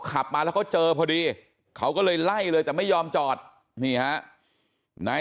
ขับมาแล้วเขาเจอพอดีเขาก็เลยไล่เลยแต่ไม่ยอมจอดนี่ฮะนาย